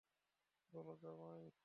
বলো, জামাই।